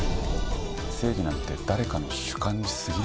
正義なんて誰かの主観にすぎないって事だ。